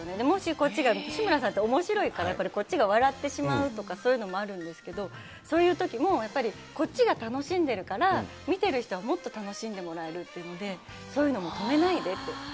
もしこっちが、志村さんっておもしろいから、やっぱりこっちが笑ってしまうとかそういうのもあるんですけど、そういうときも、やっぱりこっちが楽しんでるから、見てる人はもっと楽しんでもらえるっていうので、そういうのも止めないでって。